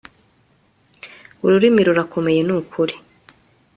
ururimi rurakomeye, nukuri